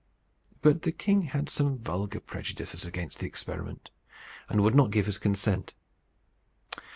But the king had some vulgar prejudices against the experiment, and would not give his consent.